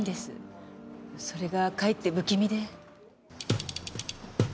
それがかえって不気味で。